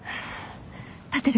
立てる？